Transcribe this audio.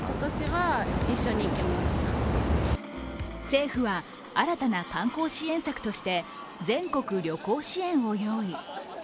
政府は新たな観光支援策として全国旅行支援を用意。